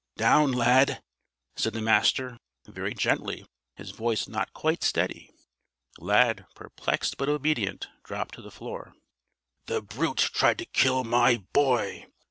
"Down, Lad!" said the Master very gently, his voice not quite steady. Lad, perplexed but obedient, dropped to the floor. "The brute tried to kill my boy!"